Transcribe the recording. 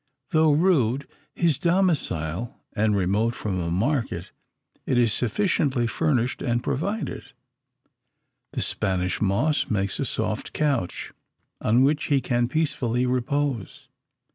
Though rude his domicile, and remote from a market, it is sufficiently furnished and provided. The Spanish moss makes a soft couch, on which he can peacefully repose.